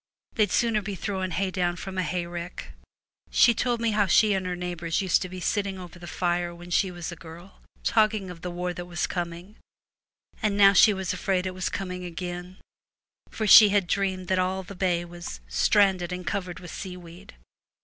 They'd sooner be throwing hay down from a hayrick/ She told me how she and her neighbours used to be sitting over the fire when she was a girl, talking of the war that was coming, and now she was afraid it was coming again, for she had dreamed that all the bay was ' stranded and covered with seaweed.'